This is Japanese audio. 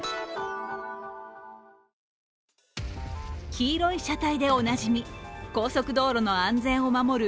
黄色い車体でおなじみ、高速道路の安全を守る